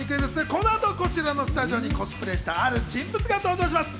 この後、こちらのスタジオにコスプレしたある人物が登場します。